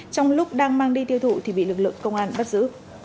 trong lúc đang mang đi tiêu thụ thì bị lực lượng công an bắt giữ